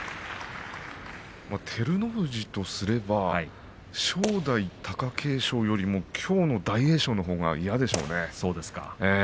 照ノ富士からすれば正代、貴景勝よりも、きょうの大栄翔のほうが嫌でしょうね。